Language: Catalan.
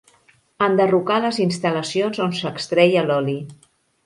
Enderrocar les instal·lacions on s'extreia l'oli.